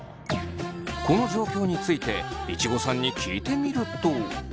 この状況についていちごさんに聞いてみると。